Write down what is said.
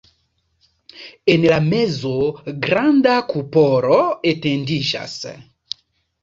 En la mezo granda kupolo etendiĝas.